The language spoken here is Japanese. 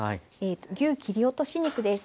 牛切り落とし肉です。